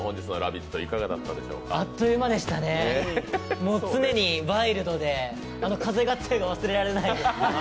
あっという間でしたね、常にワイルドで「風が強い」が忘れられないです。